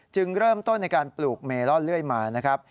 เริ่มต้นในการปลูกเมลอนเลื่อยมานะครับ